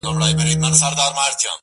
هغه به چاسره خبري کوي،